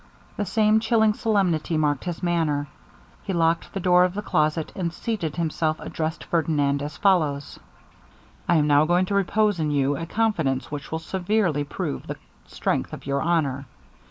The same chilling solemnity marked his manner. He locked the door of the closet, and seating himself, addressed Ferdinand as follows: 'I am now going to repose in you a confidence which will severely prove the strength of your honour.